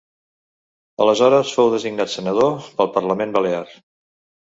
Aleshores fou designat senador pel Parlament Balear.